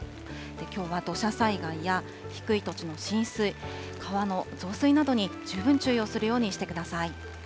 きょうは土砂災害や、低い土地の浸水、川の増水などに十分注意をするようにしてください。